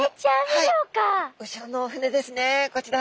後ろのお船ですねこちら。